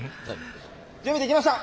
準備できました！